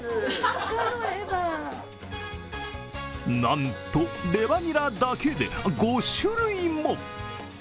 なんとレバニラだけで５種類も。